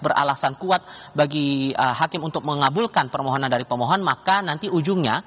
beralasan kuat bagi hakim untuk mengabulkan permohonan dari pemohon maka nanti ujungnya